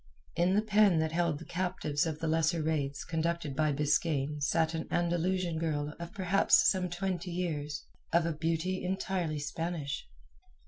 In the pen that held the captives of the lesser raids conducted by Biskaine sat an Andalusian girl of perhaps some twenty years, of a beauty entirely Spanish.